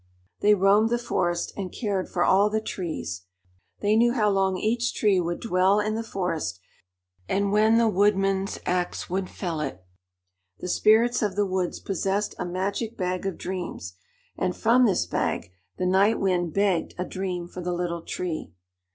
They roamed the forest and cared for all the trees. They knew how long each tree would dwell in the forest and when the woodman's ax would fell it. The Spirits of the Woods possessed a magic bag of dreams, and from this bag the Night Wind begged a dream for the Little Tree.